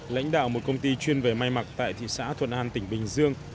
lãnh đạo một công ty chuyên về may mặc tại thị xã thuận an tỉnh bình dương